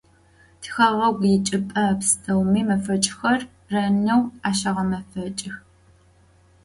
Tixeğegu yiçç'ıp'e psteumi mefeç'xer rêneu aşağemefeç'ıx.